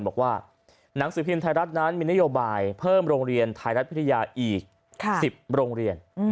บอกว่าหนังสือพิมพ์ไทยรัฐนั้นมีนโยบายเพิ่มโรงเรียนไทยรัฐวิทยาอีก๑๐โรงเรียน